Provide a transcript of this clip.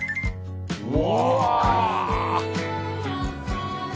お。